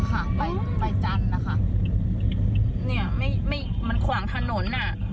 ใบใบจันทร์นะคะเนี่ยไม่ไม่มันขวางถนนอ่ะ